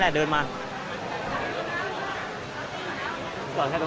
สวัสดีครับทุกคน